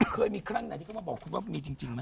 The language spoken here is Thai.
เคยมีครั้งไหนที่เขามาบอกคุณว่ามีจริงไหม